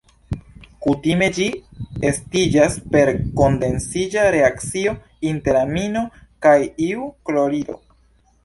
Kutime ĝi estiĝas per kondensiĝa reakcio inter amino kaj iu klorido.